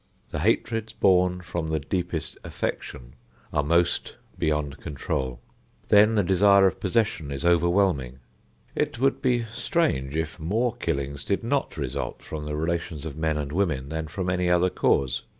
The hatreds born from the deepest affection are most beyond control. Then the desire of possession is overwhelming. It would be strange if more killings did not result from the relations of men and women than from any other cause.